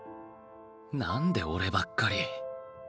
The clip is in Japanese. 何で俺ばっかり。